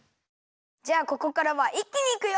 じゃあここからはいっきにいくよ！